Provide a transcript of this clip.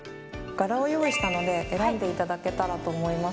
柄を用意したので選んでいただけたらと思います。